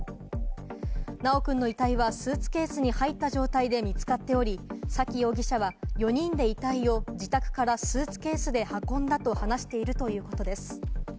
修くんの遺体はスーツケースに入った状態で見つかっており、沙喜容疑者は４人で遺体を自宅からスーツケースで運んだなどと話しているということです。